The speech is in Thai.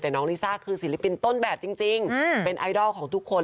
แต่น้องลิซ่าคือศิลปินต้นแบบจริงเป็นไอดอลของทุกคน